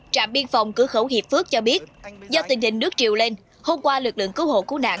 trạm biên phòng cửa khẩu hiệp phước cho biết do tình hình nước triều lên hôm qua lực lượng cứu hộ cứu nạn